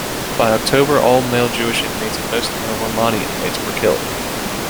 By October, all male Jewish inmates and most male Romani inmates were killed.